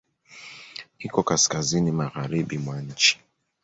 Iko kaskazini magharibi mwa nchi.